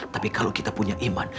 tapi kalau kita punya iman